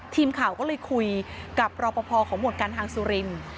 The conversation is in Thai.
ทีมข่าวก็เลยคุยกับรอปภของหมวดการทางสุรินทร์